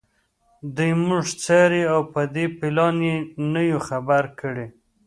دوی موږ څاري او په دې پلان یې نه یو خبر کړي